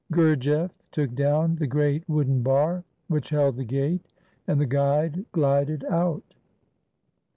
Gurgeff took down the great wooden bar which held the gate, and the guide glided out.